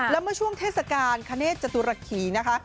แล้วเมื่อช่วงเทศกาลคเนธจตุรคีนะคะ